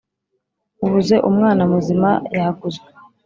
ubuze umwana muzima yaguzwe.